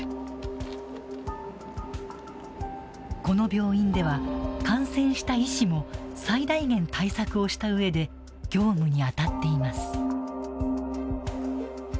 この病院では、感染した医師も最大限対策をしたうえで業務に当たっています。